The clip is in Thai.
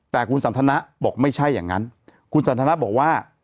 แต่คุณสันทนะบอกไม่ใช่อย่างนั้นคุณสันทนาบอกว่า